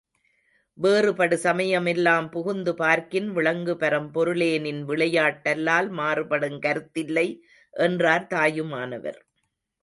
வேறுபடு சமயமெல்லாம் புகுந்து பார்க்கின் விளங்குபரம் பொருளேநின் விளையாட் டல்லால் மாறுபடுங் கருத்தில்லை என்றார் தாயுமானவர்.